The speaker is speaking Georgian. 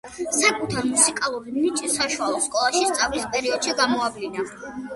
საკუთარი მუსიკალური ნიჭი საშუალო სკოლაში სწავლის პერიოდში გამოავლინა.